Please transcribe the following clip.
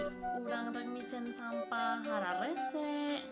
orang orang yang membawa sampah harus berbicara